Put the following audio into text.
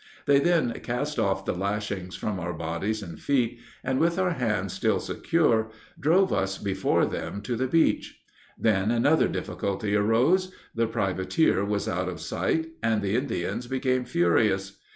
They then cast off the lashings from our bodies and feet, and, with our hands still secure, drove us before them to the beach. Then another difficulty arose; the privateer was out of sight, and the Indians became furious.